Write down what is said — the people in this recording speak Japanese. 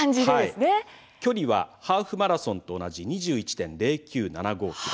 距離はハーフマラソンと同じ２１．０９７５ｋｍ。